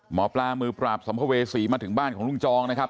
หมอปลามือปราบสัมภเวษีมาถึงบ้านของลุงจองนะครับ